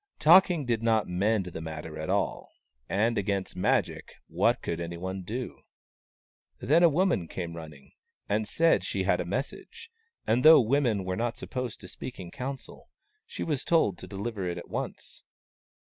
Talking did not mend the matter at all, and against Magic, what could anyone do ? Then a woman came running, and said she had a message, and though women were not supposed to speak in council, she was told to deliver it at once.